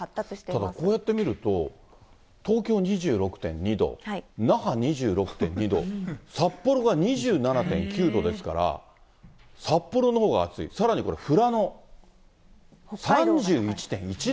ただこうやって見ると、東京２６．２度、那覇２６．２度、札幌が２７．９度ですから、札幌のほうが暑い、さらにこれ、富良野３１．１度。